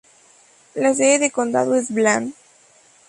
La sede de condado es Bland.